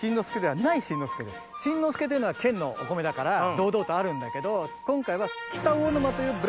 新之助というのは県のお米だから堂々とあるんだけど今回は。